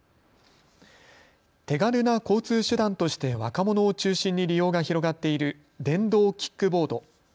手軽な交通手段として若者を中心に利用が広がっている電動キックボード。